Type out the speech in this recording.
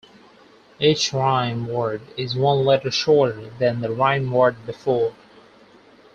Each rhyme word is one letter shorter than the rhyme word before.